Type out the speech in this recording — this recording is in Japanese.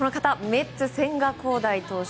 メッツの千賀滉大投手。